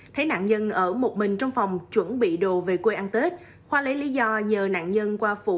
thấy nạn nhân ở một mình trong phòng chuẩn bị đồ về quê ăn tết khoa lấy lý do nhờ nạn nhân qua phụ